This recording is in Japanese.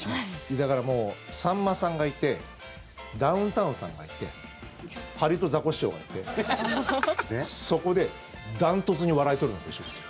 だから、もうさんまさんがいてダウンタウンさんがいてハリウッドザコシショウがいてそこで断トツに笑い取るのと一緒ですよ。